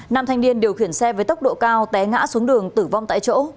nam thanh niên điều khiển xe với tốc độ cao té ngã xuống đường tử vong tại chỗ